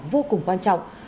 vô cùng quan trọng